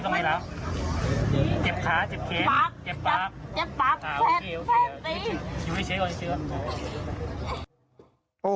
อยู่ให้เจ็บก่อน